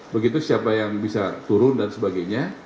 begitu siapa yang bisa turun dan sebagainya